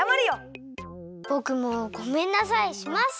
ぼくも「ごめんなさい」します！